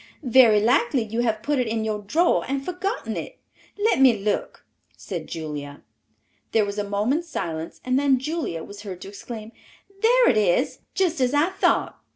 "Very likely you have put it in your drawer and forgotten it; let me look," said Julia. There was a moment's silence, and then Julia was heard to exclaim, "There it is, just as I thought.